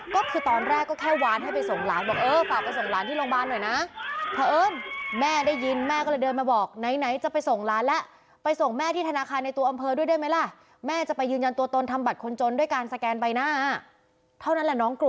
ก็คือตอนแรกก็แค่วานให้ไปส่งหลานบอกเออฝากไปส่งหลานที่โรงพยาบาลหน่อยนะ